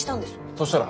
そしたら？